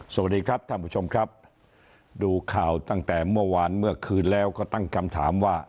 สวัสดีครับท่านผู้ชมครับดูข่าวตั้งแต่เมื่อวานเมื่อคืนแล้วก็ตั้งคำถามว่า